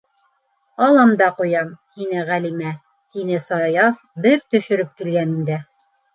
Алам да ҡуям һине, Ғәлимә, - тине Саяф бер төшөрөп килгәнендә.